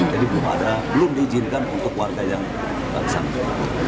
jadi belum ada belum diizinkan untuk warga yang akan sampai